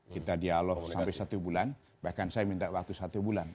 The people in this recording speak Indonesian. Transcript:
kita dialog sampai satu bulan bahkan saya minta waktu satu bulan